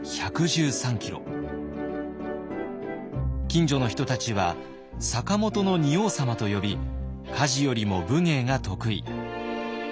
近所の人たちは「坂本の仁王さま」と呼び家事よりも武芸が得意。